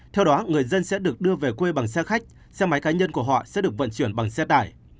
theo đó người dân sẽ được đưa về quê bằng xe khách xe máy cá nhân của họ sẽ được vận chuyển bằng xe tải